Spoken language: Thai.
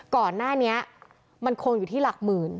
ก่อนหน้านี้มันคงอยู่ที่หลักหมื่น